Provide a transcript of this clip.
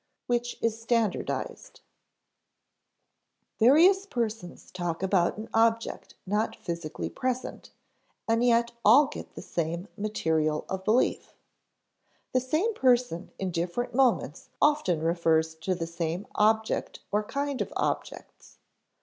[Sidenote: which is standardized] Various persons talk about an object not physically present, and yet all get the same material of belief. The same person in different moments often refers to the same object or kind of objects.